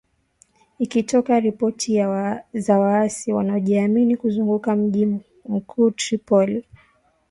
Ikitoa ripoti za waasi wanaojihami kuzunguka mji mkuu Tripoli.